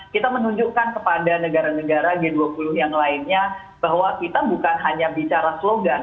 kita menunjukkan kepada negara negara g dua puluh yang lainnya bahwa kita bukan hanya bicara slogan